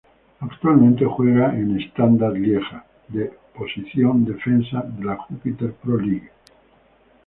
Actualmente juega en Standard Lieja de posición defensa de la Jupiler Pro League.